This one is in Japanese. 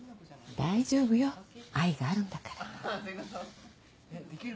大丈夫よ愛があるんだから。